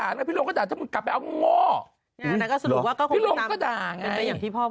หนุ่มไม่ต้องยืบ